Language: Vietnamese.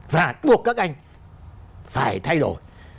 và buộc các anh phải thay đổi